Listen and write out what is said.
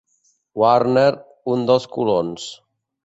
Warner, un dels colons.